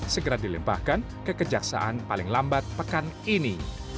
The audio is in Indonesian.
segera dilimpahkan ke kejaksaan paling lambat pekan ini